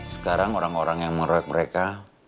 sekarang orang orang yang mengeroyok mereka